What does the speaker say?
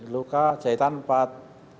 luka jahitan empat